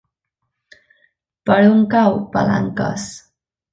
Per on cau Palanques?